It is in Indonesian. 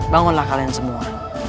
bangunlah kalian semua